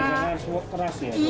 ini kena suara keras ya